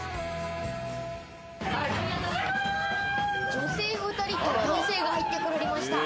女性２人と男性が入ってこられました。